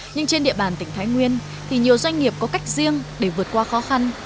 nhưng trên địa bàn tỉnh thái nguyên thì nhiều doanh nghiệp có cách riêng để vượt qua khó khăn